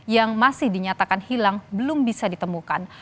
yang masih dinyatakan hilang belum bisa ditemukan